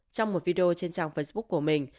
trong một video trên trang facebook của mình